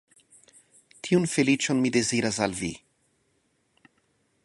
Tiun feliĉon mi deziras al vi.